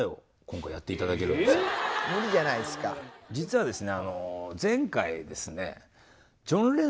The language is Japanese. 実はですね。